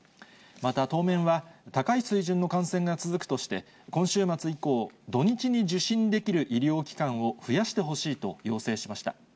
また、当面は、高い水準の感染が続くとして、今週末以降、土日に受診できる医療機関を増やしてほしいと要請しました。